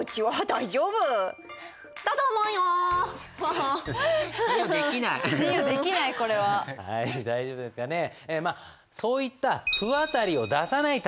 大丈夫ですかね。